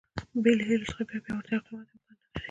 بې له هیلو څخه بیا پیاوړتیا او قوت امکان نه لري.